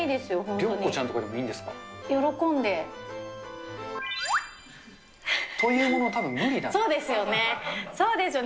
涼子ちゃんとかでもいいんですか？というものの、たぶん無理だそうですよね。